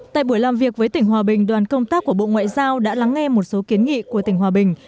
tại buổi làm việc với tỉnh hòa bình đoàn công tác của bộ ngoại giao đã lắng nghe một số kiến nghị của tỉnh hòa bình